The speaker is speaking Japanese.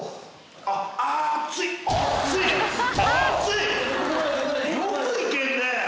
あっよくいけるね。